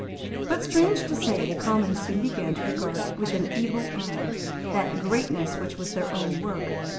But, strange to say, the Commons soon began to regard with an evil eve that greatness which was their own work.